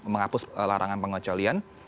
menghapus larangan pengosialian